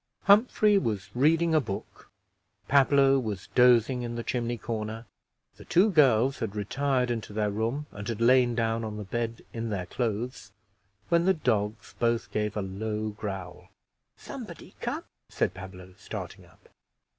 Humphrey was reading a book Pablo was dozing in the chimney corner the two girls had retired into their room and had lain down on the bed in their clothes, when the dogs both gave a low growl. "Somebody come," said Pablo, starting up.